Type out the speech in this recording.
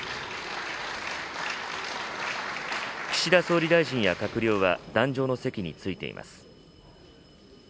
岸田総理大臣や閣僚は壇上の席に着いています。